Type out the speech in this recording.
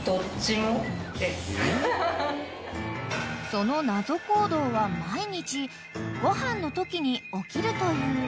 ［その謎行動は毎日ご飯のときに起きるという］